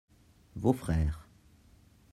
vos frères.